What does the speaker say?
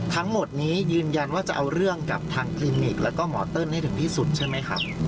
ทั้งหมดนี้ยืนยันว่าจะเอาเรื่องกับทางคลินิกแล้วก็หมอเติ้ลให้ถึงที่สุดใช่ไหมครับ